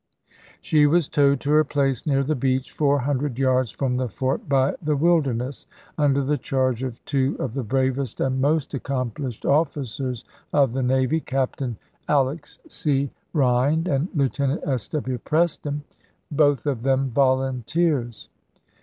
She was towed to her place near the beach, four hundred yards from the fort, by the Wilderness, under the charge of two of the bravest and most ac FORT FISHER AND WILMINGTON 61 complished officers of the navy, Commander Alex. chap, iil C. Bhind and Lieutenant S. W. Preston, both of them volunteers.